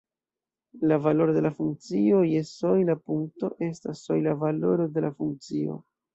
La valoro de la funkcio je sojla punkto estas sojla valoro de la funkcio.